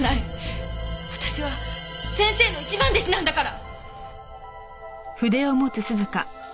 私は先生の一番弟子なんだから！